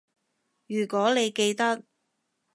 如果你記得